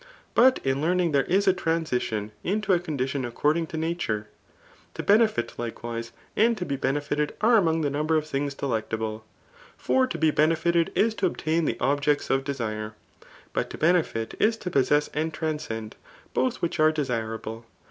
But ia learning there is a tranmtion into a cop^ftion aqcprding to nature/ To benefit, )ikewisf, and /to be benefited are among the number of things delffCtaUe^ For to be benefited is to obtain the objects of desire ; but to benefit is to possess and transcend, both wliich are de sirable.